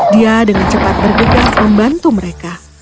dia dengan cepat bergegas membantu mereka